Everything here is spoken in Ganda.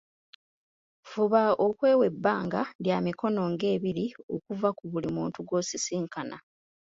Fuba okwewa ebbanga lya mikono nga ebiri okuva ku buli muntu gw’osisinkana.